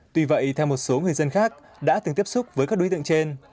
tuy vậy theo một số người dân khác đã từng tiếp xúc với các đối tượng trên